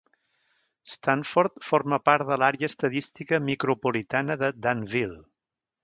Stanford forma part de l'àrea estadística micropolitana de Danville.